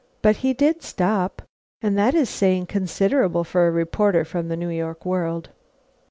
But he did stop, and that is saying considerable for a reporter from the New York World.